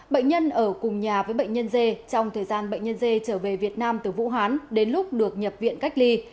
bệnh nhân ở cùng nhà với bệnh nhân dê trong thời gian bệnh nhân dê trở về việt nam từ vũ hán đến lúc được nhập viện cách ly